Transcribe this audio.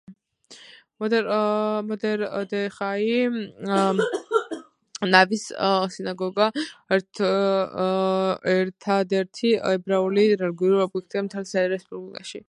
მორდეხაი ნავის სინაგოგა ერთადერთი ებრაული რელიგიური ობიექტია მთელს რესპუბლიკაში.